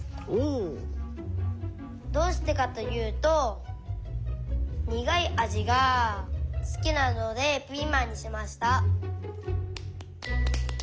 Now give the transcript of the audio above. おお。どうしてかというとにがいあじがすきなのでピーマンにしました。